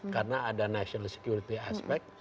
karena ada national security aspek